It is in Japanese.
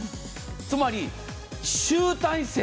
つまり集大成。